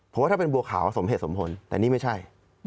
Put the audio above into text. ผมว่าถ้าเป็นบัวขาวสมเหตุสมผลแต่นี่ไม่ใช่